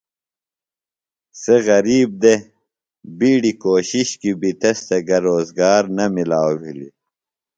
.سےۡ غریب دےۡ۔ِبیڈیۡ کوشش کی بیۡ تس تھےۡ گہ روزگار نہ مِلاؤ بھلیۡ۔